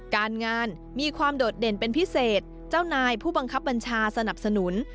การงานมีความโดดเด่นเป็นพิเศษเจ้านายผู้บังคับบัญชาสนับสนุน